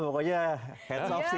pokoknya heads up sih